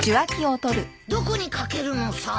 どこにかけるのさ？